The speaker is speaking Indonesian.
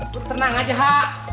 lu tenang aja ha